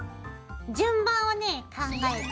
順番をね考えて。